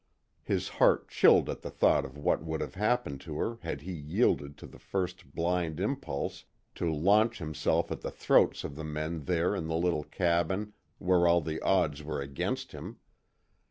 His heart chilled at the thought of what would have happened to her had he yielded to the first blind impulse to launch himself at the throats of the men there in the little cabin where all the odds were against him.